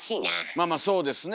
まあまあそうですね。